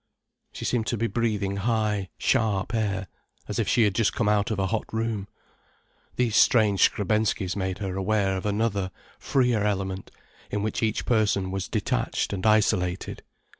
She seemed to be breathing high, sharp air, as if she had just come out of a hot room. These strange Skrebenskys made her aware of another, freer element, in which each person was detached and isolated.